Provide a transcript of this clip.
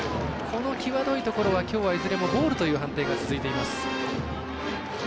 この際どいところはきょうはいずれもボールという判定が続いています。